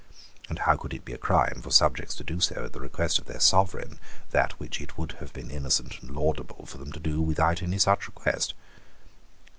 And how could it be a crime for subjects to do at the request of their Sovereign that which it would have been innocent and laudable for them to do without any such request?